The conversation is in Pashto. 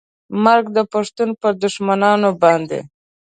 مرګ د پښتون پر دښمنانو باندې